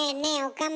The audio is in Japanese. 岡村。